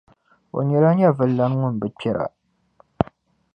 O nyɛla nyɛvulilana Ŋun bi kpira.